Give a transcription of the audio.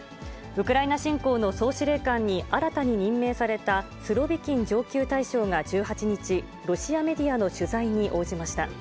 ウクライナ侵攻の総司令官に新たに任命されたスロビキン上級大将が１８日、ロシアメディアの取材に応じました。